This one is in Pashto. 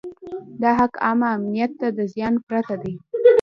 دا حق عامه امنیت ته د زیان پرته دی.